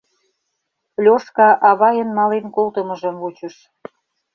Лёшка авайын мален колтымыжым вучыш.